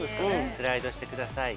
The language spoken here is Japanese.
スライドしてください。